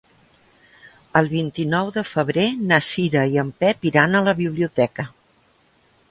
El vint-i-nou de febrer na Cira i en Pep iran a la biblioteca.